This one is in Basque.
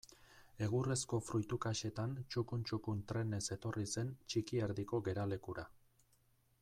Egurrezko fruitu kaxetan txukun-txukun trenez etorri zen Txikierdiko geralekura.